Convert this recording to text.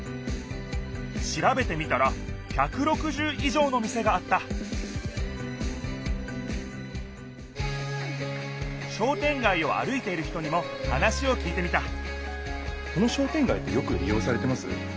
しらべてみたら１６０いじょうの店があった商店街を歩いている人にも話をきいてみたこの商店街ってよくり用されてます？